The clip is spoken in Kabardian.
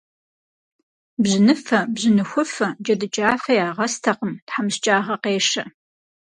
Бжьыныфэ, бжьыныхуфэ, джэдыкӏафэ ягъэстэкъым, тхьэмыщкӏагъэ къешэ.